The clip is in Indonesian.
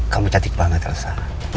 kamu cantik banget elsa